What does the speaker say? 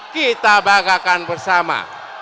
kita banggakan bersama